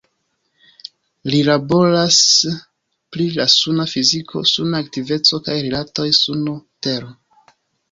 Li laboras pri la suna fiziko, suna aktiveco kaj rilatoj Suno-tero.